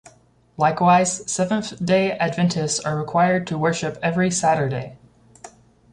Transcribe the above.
Likewise, Seventh-day Adventists are required to worship every Saturday.